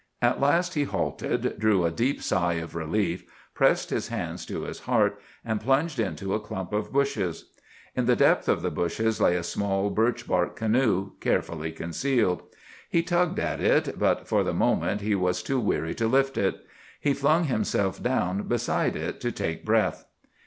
At last he halted, drew a deep sigh of relief, pressed his hands to his heart, and plunged into a clump of bushes. In the depth of the bushes lay a small birch bark canoe, carefully concealed. He tugged at it, but for the moment he was too weary to lift it. He flung himself down beside it to take breath.